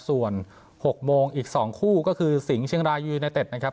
ส่วน๖โมงอีก๒คู่ก็คือสิงห์เชียงรายยูเนเต็ดนะครับ